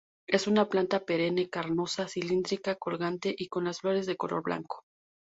Es una planta perenne carnosa, cilíndrica-colgante y con las flores de color blanco.